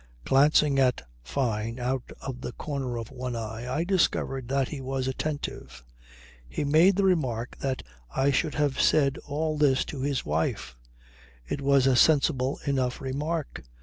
Glancing at Fyne out of the corner of one eye I discovered that he was attentive. He made the remark that I should have said all this to his wife. It was a sensible enough remark.